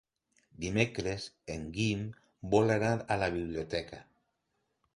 Dimecres en Guim vol anar a la biblioteca.